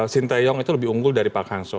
sinteyong itu lebih unggul dari pak hangso